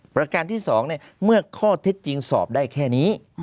ประการที่๒เมื่อข้อเท็จจริงสอบได้แค่นี้